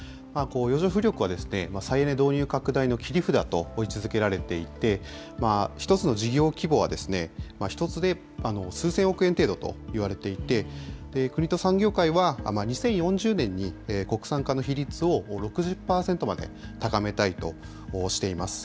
洋上風力は再エネ導入拡大の切り札と位置づけられていて、１つの事業規模は、１つで数千億円程度といわれていて、国と産業界は、２０４０年に国産化の比率を６０％まで高めたいとしています。